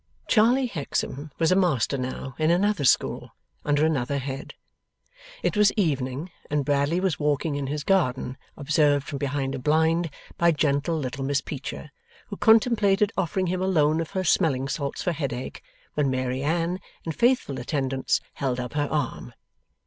Charley Hexam was a master now, in another school, under another head. It was evening, and Bradley was walking in his garden observed from behind a blind by gentle little Miss Peecher, who contemplated offering him a loan of her smelling salts for headache, when Mary Anne, in faithful attendance, held up her arm.